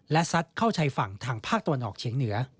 และซัดเข้าชายฝั่งทางภาคตะวันออกเฉียงเหนือ